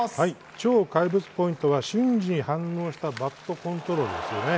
超怪物ポイントは瞬時に反応したバットコントロールですね。